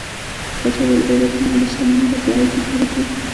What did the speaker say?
پاچا وويل: اوبه زموږ ملي شتمني ده بايد مهار يې کړو.